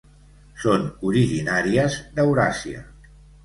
Són originàries d'Euràsia.